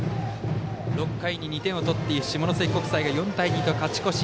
６回に２点を取って下関国際が４対２と勝ち越し。